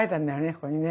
ここにね。